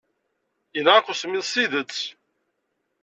Yenɣa-k usemmiḍ s tidet.